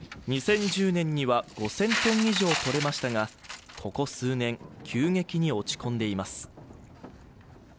２０１０年には５０００ｔ以上とれましたがここ数年、急激に落ち込んでいます